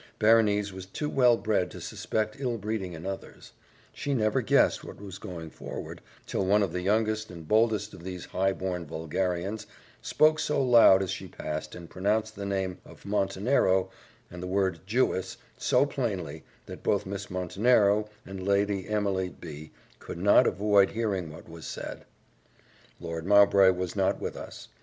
Berenice was too well bred to suspect ill breeding in others; she never guessed what was going forward, till one of the youngest and boldest of these high born vulgarians spoke so loud as she passed, and pronounced the name of Montenero, and the word Jewess, so plainly, that both Miss Montenero and Lady Emily B could not avoid hearing what was said. Lord Mowbray was not with us.